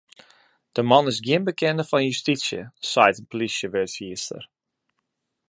De man is gjin bekende fan justysje, seit in plysjewurdfierster.